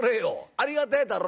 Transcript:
ありがてえだろ？